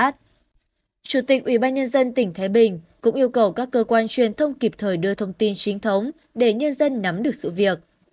chủ tịch ủy ban nhân dân tỉnh thái bình cũng yêu cầu các cơ quan truyền thông kịp thời đưa thông tin chính thống để nhân dân nắm được sự việc